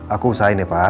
aku usahain ya pak